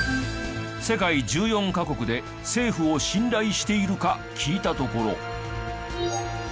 世界１４カ国で政府を信頼しているか聞いたところ。